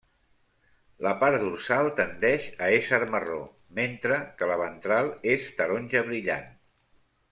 La part dorsal tendeix a ésser marró, mentre que la ventral és taronja brillant.